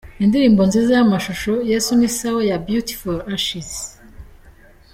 Indirimbo nziza y’amashusho: Yesu ni sawa ya Beauty For Ashes.